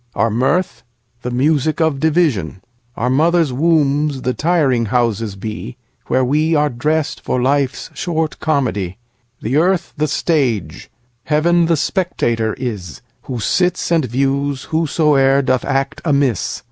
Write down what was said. Our mirth? The music of division:Our mothers' wombs the tiring houses be, Where we are dressed for life's short comedy. The earth the stage; Heaven the spectator is, Who sits and views whosoe'er doth act amiss.